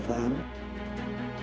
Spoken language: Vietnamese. để phóng viên